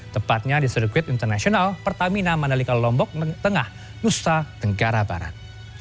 tepatnya di sirkuit internasional pertamina mandalika lombok tengah nusa tenggara barat